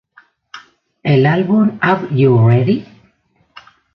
El álbum "Are You Ready?